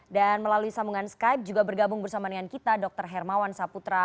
dan melalui sambungan skype juga bergabung bersama dengan kita dr hermawan saputra